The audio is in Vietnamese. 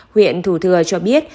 huyện thủ thừa cho biết